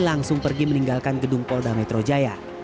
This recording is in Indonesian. langsung pergi meninggalkan gedung polda metro jaya